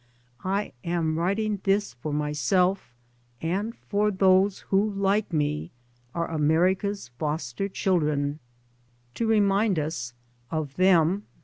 I am writing this for myself and for those who, like me, are America's foster children, to remind us of them, through 3 by Google /M\.